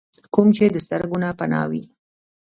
کوم چې د سترګو نه پناه وي ۔